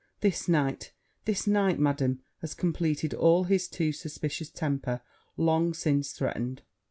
this night, this night, Madam, has compleated all his too suspicious temper long since threatened!